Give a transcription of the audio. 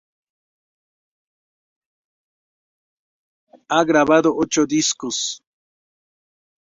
Ha grabado ocho discos.